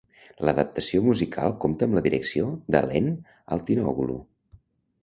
L'adaptació musical compta amb la direcció d'Alain Altinoglu.